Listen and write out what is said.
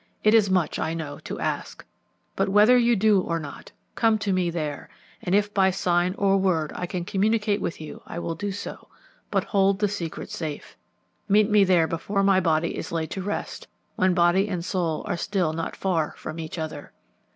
It is much, I know, to ask; but whether you do or not, come to me there, and if by sign or word I can communicate with you I will do so, but hold the secret safe. Meet me there before my body is laid to rest, when body and soul are still not far from each other.